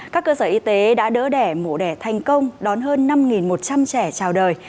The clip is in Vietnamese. các cơ sở y tế đã đỡ đẻ mổ đẻ thành công đón hơn năm một trăm linh trẻ trào đời